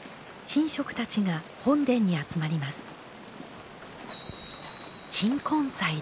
神職たちが本殿に集まります。